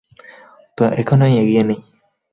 তো এখনই এগিয়ে নেই।